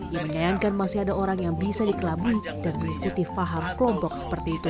ia menyayangkan masih ada orang yang bisa dikelabui dan mengikuti faham kelompok seperti itu